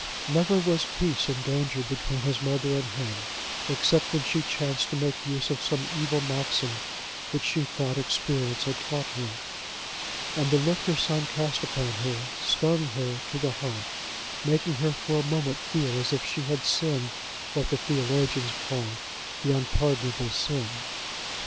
Never was peace endangered between his mother and him, except when she chanced to make use of some evil maxim which she thought experience had taught her, and the look her son cast upon her stung her to the heart, making her for a moment feel as if she had sinned what the theologians call the unpardonable sin.